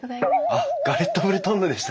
あっ「ガレットブルトンヌ」でしたね。